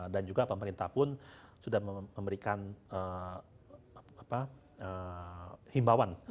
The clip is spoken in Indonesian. dan juga pemerintah pun sudah memberikan himbauan